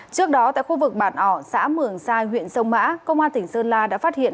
trước đó tại khu vực bản ỏ xã mường sai huyện sông mã công an tỉnh sơn la đã phát hiện